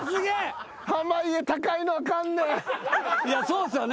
いやそうっすよね？